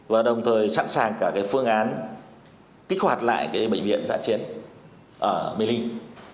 và đồng thời sẵn sàng cả phương án kích hoạt lại bệnh viện giãn chiến ở mê linh